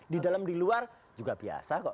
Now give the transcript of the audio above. di dalam di luar juga biasa kok